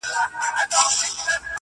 سپی دي ښخ وي دلې څه ګناه یې نسته،